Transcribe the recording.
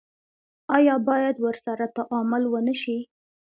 آیا باید ورسره تعامل ونشي؟